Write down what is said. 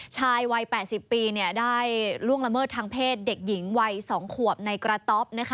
ชายวัย๘๐ปีได้ล่วงละเมิดทางเพศเด็กหญิงวัย๒ขวบในกระต๊อบ